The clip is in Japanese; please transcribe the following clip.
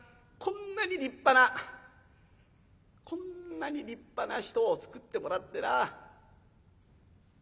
こんなに立派なこんなに立派な人をつくってもらってな。